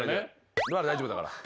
まだ大丈夫だから。